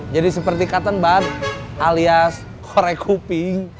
jadi seperti cotton bud alias korek kuping